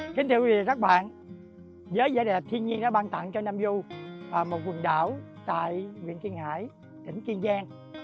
kính thưa quý vị và các bạn giới giải đẹp thiên nhiên đã ban tặng cho nam du một quần đảo tại quyện kiên hải tỉnh kiên giang